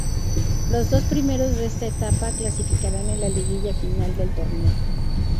Los dos primeros de esta etapa clasificarán a la Liguilla Final del torneo.